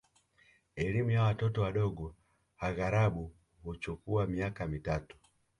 Elimu ya watoto wadogo aghalabu huchukua miaka mitatu